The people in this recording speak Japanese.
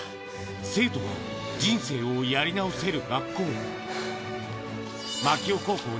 生徒が人生をやり直せる学校。